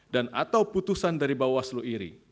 dan atau putusan dari bawah seluruh ri